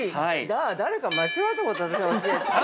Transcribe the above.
誰か間違ったこと私に教えて。